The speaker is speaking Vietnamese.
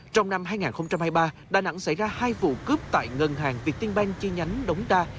trong năm hai nghìn hai mươi ba đà nẵng xảy ra hai vụ cướp tại ngân hàng việt tiên banh chi nhánh đống đa